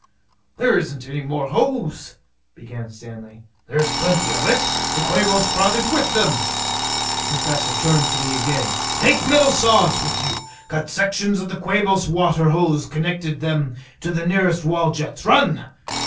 "There isn't any more hose " began Stanley. "There's plenty of it. The Quabos brought it with them." The Professor turned to me again. "Take metal saws with you. Cut sections of the Quabos water hose and connect them to the nearest wall jets. Run!"